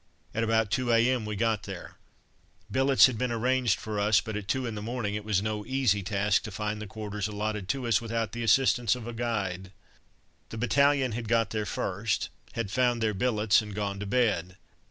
At about 2 a.m. we got there; billets had been arranged for us, but at two in the morning it was no easy task to find the quarters allotted to us without the assistance of a guide. The battalion had got there first, had found their billets and gone to bed.